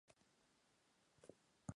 Es conocido como "El Ratón" Zaragoza.